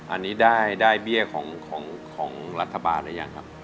อันนี้ได้เบี้ยของรัฐบาลหรือยังครับ